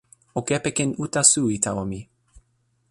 o kepeken uta suwi tawa mi.